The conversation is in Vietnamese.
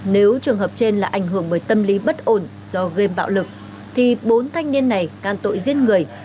nếu trường hợp trên là ảnh hưởng bởi tâm lý bất ổn do game bạo lực thì bốn thanh niên này can tội giết người